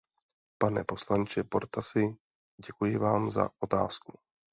Pane poslanče Portasi, děkuji vám za otázku.